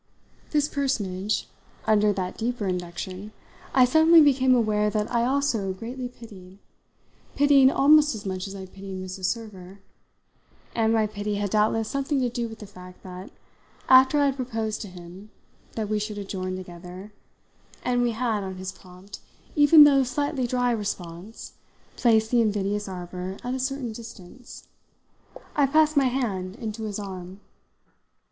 This personage, under that deeper induction, I suddenly became aware that I also greatly pitied pitied almost as much as I pitied Mrs. Server; and my pity had doubtless something to do with the fact that, after I had proposed to him that we should adjourn together and we had, on his prompt, even though slightly dry response, placed the invidious arbour at a certain distance, I passed my hand into his arm.